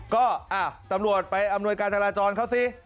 ก็ตำรวจไปอำนวยการจราจรเขาสิ